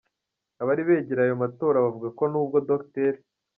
Abari begereye ayo matora bavuga ko n’ubwo Dr.